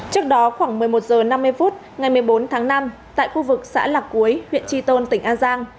trước đó khoảng một mươi một h năm mươi phút ngày một mươi bốn tháng năm tại khu vực xã lạc cuối huyện tri tôn tỉnh an giang